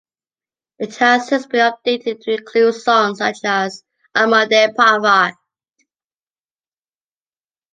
It has since been updated to include songs such as "Un Monde parfait".